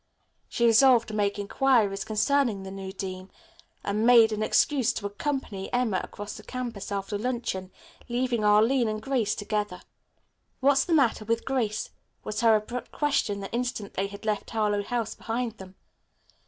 She resolved to make inquiries concerning the new dean and made an excuse to accompany Emma across the campus after luncheon, leaving Arline and Grace together. "What's the matter with Grace?" was her abrupt question the instant they had left Harlowe House behind them.